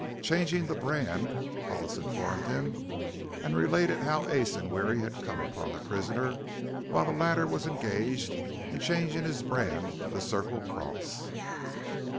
"Changing the brand," Hollis informed him. He related how Ace and Weary had come upon the prisoner while the latter was engaged in changing his brand to the Circle Cross.